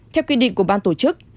theo quy định của ban tổ chức